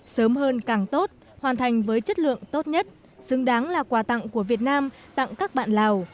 sớm hơn càng tốt hoàn thành với chất lượng tốt nhất xứng đáng là quà tặng của việt nam tặng các bạn lào